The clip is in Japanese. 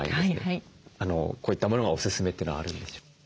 こういったものがおすすめというのはあるんでしょうか？